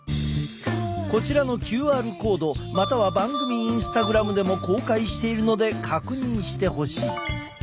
こちらのＱＲコードまたは番組インスタグラムでも公開しているので確認してほしい。